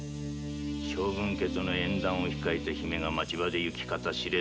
将軍家との縁談を控えた姫君が町場で行方知れず。